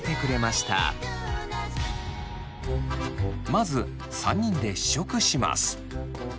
まず３人で試食します。